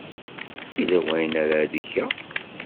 Yella wayen ara d-geɣ?